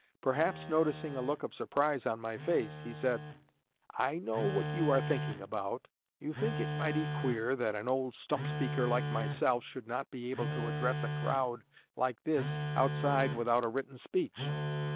Perhaps noticing a look of surprise on my face, he said, 'I know what you are thinking about. You think it mighty queer that an old stump speaker like myself should not be able to address a crowd like this outside without a written speech.